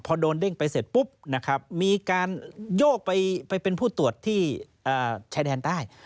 พอโดนเด้งไปเสร็จปุ๊บนะครับมีการโยกไปเป็นผู้ตรวจที่ชายแดนใต้